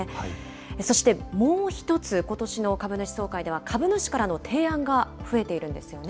そして、もう１つ、ことしの株主総会では、株主からの提案が増えているんですよね？